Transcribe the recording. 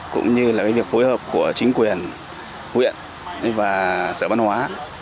cũng như là việc phối hợp của chính quyền huyện và sở văn hóa